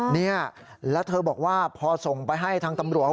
เนี่ยแล้วเธอบอกว่าพอส่งไปให้ทางตำรวจ